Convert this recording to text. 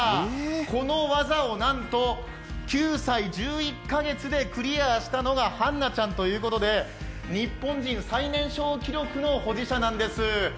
この技をなんと９歳１１カ月でクリアしたのが絆那ちゃんということで、日本人最年少記録の保持者なんです。